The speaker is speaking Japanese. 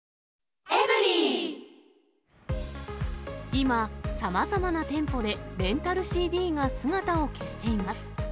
今、さまざまな店舗でレンタルＣＤが姿を消しています。